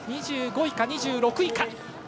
２５位か２６位か。